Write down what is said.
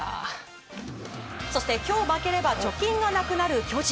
そして今日負ければ貯金がなくなる巨人。